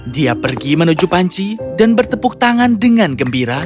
dia pergi menuju panci dan bertepuk tangan dengan gembira